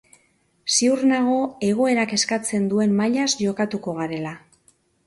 Ziur nago egoerak eskatzen duen mailaz jokatuko garela.